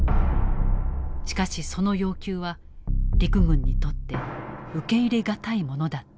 しかしその要求は陸軍にとって受け入れ難いものだった。